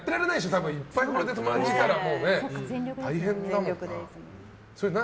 多分いっぱいこれで友達がいたら大変だもんな。